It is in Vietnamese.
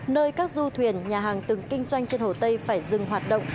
nơi các du thuyền nhà hàng từng kinh doanh trên hồ tây phải dừng hoạt động